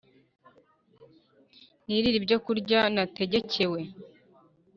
nirire ibyokurya nategekewe